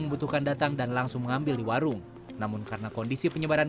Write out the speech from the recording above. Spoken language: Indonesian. membutuhkan datang dan langsung mengambil di warung namun karena kondisi penyebaran